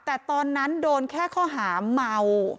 แต่ตอนนั้นโดนแค่ข้อหาเมา